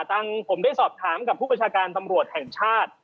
ทางผมได้สอบถามกับผู้ประชาการตำรวจแห่งชาติ